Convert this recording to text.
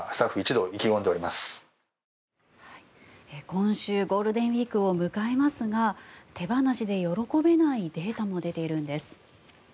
今週ゴールデンウィークを迎えますが手放しで喜べないデータも出ているんです。